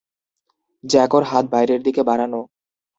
জ্যাকোর হাত বাইরের দিকে বাড়ানো।